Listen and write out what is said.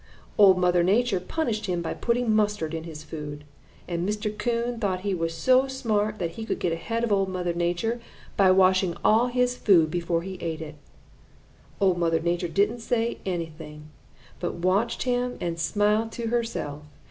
Old Mother Nature punished him by putting mustard in his food, and Mr. Coon thought he was so smart that he could get ahead of Old Mother Nature by washing all his food before he ate it. Old Mother Nature didn't say anything, but watched him and smiled to herself.